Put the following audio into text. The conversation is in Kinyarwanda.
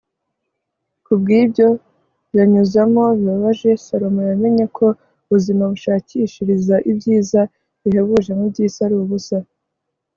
kubw'ibyo yanyuzamo bibabaje, salomo yamenye ko ubuzima bushakishiriza ibyiza bihebuje mu by'isi ari ubusa